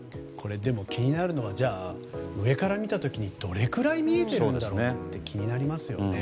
気になるのは上から見た時にどれくらい見えているんだろうと気になりますよね。